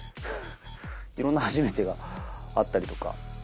いろんな初めてがあったりとか。